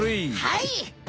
はい！